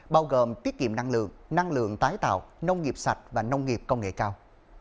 bao gồm tiết kiệm năng lượng năng lượng tái tạo nông nghiệp sạch và nông nghiệp công nghệ cao